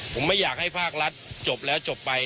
ผมไม่อยากให้ภาครัฐจบแล้วจบไป